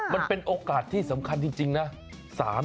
มันเป็นโอกาสที่สำคัญจริงนะ